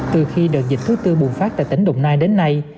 từ khi đợt dịch thứ tư bùng phát tại tỉnh đồng nai đến nay